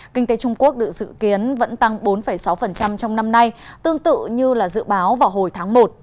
kinh tế trung quốc được dự kiến vẫn tăng bốn sáu trong năm nay tương tự như dự báo vào hồi tháng một